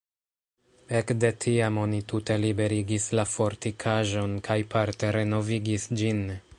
Ekde tiam oni tute liberigis la fortikaĵon kaj parte renovigis ĝin.